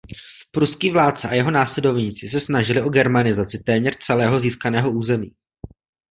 Pruský vládce a jeho následovníci se snažili o germanizaci téměř celého získaného území.